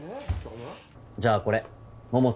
じゃあこれ百瀬